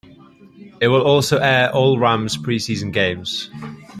It will also air all Rams preseason games.